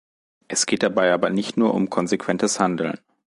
Es geht dabei aber nicht nur um konsequentes Handeln.